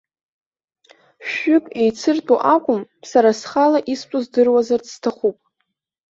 Шәҩык еицыртәу акәым, сара схала истәу здыруазарц сҭахуп.